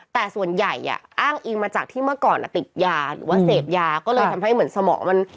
แต่ส่วนใหญ่อ้างอิงมาจากที่เมื่อก่อนติดยาหรือว่าเสพยาก็เลยทำให้เหมือนสมองมัน